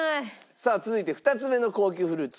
さあ続いて２つ目の高級フルーツ